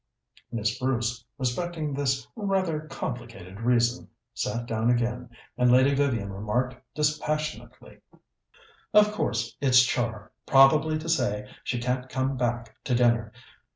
Miss Bruce, respecting this rather complicated reason, sat down again, and Lady Vivian remarked dispassionately: "Of course it's Char, probably to say she can't come back to dinner.